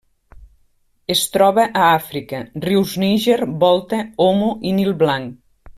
Es troba a Àfrica: rius Níger, Volta, Omo i Nil Blanc.